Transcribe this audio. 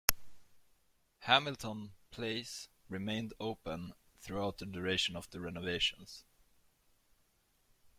Hamilton Place remained open throughout the duration of the renovations.